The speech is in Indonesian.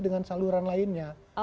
dengan saluran lainnya